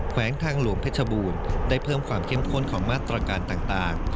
แวงทางหลวงเพชรบูรณ์ได้เพิ่มความเข้มข้นของมาตรการต่าง